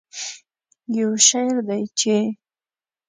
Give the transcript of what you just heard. یو شعر دی چې